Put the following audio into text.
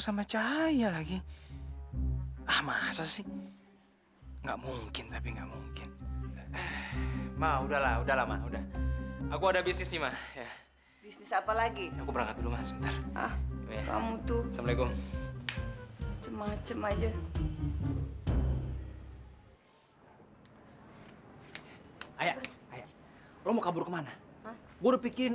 sampai jumpa di video selanjutnya